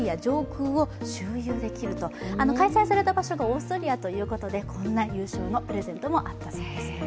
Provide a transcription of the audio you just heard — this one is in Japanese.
開催された場所がオーストリアということで、こんな優勝のプレゼントもあったようです。